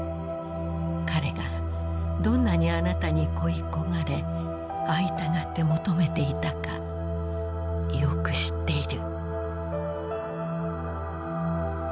彼がどんなにあなたに恋い焦がれ会いたがって求めていたかよく知っている」。